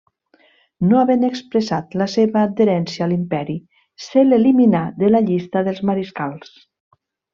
No havent expressat la seva adherència a l'imperi, se l'elimina de la llista dels mariscals.